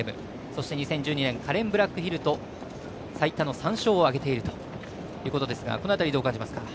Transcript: そして、２０１２年カレンブラックヒルと最多の３勝を挙げているということですけどもこの辺り、どう感じますか？